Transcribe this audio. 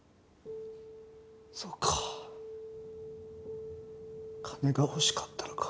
そうか金が欲しかったのか。